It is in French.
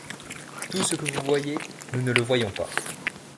Tout ce que vous voyez, nous ne le voyons pas.